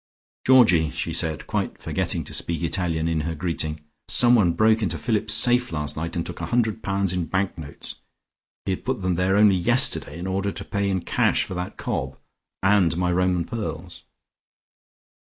"Georgie," she said, quite forgetting to speak Italian in her greeting, "someone broke into Philip's safe last night, and took a hundred pounds in bank notes. He had put them there only yesterday in order to pay in cash for that cob. And my Roman pearls."